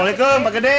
waalaikumsalam pak gede